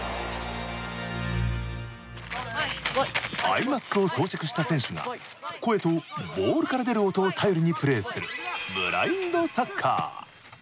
アイマスクを装着した選手が声とボールから出る音を頼りにプレーするブラインドサッカー。